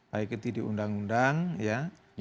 baik itu di undang undang ya